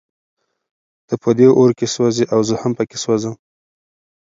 ته په دې اور کې سوزې او زه هم پکې سوزم.